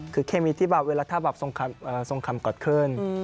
คือเขมีที่เวลาสงครรภ์กดเคลิ้น